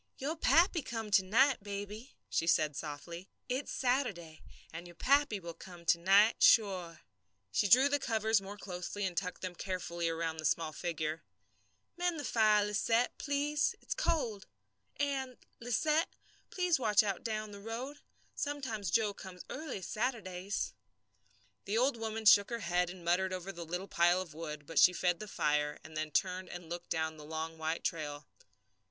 "Your pappy will come to night, baby," she said, softly. "It's Saturday, and your pappy will come to night, sure." She drew the covers more closely, and tucked them carefully about the small figure. "Mend the fire, Lisette, please. It's cold. And, Lisette, please watch out down the road. Sometimes Joe comes early Saturdays." The old woman shook her head and muttered over the little pile of wood, but she fed the fire, and then turned and looked down the long white trail.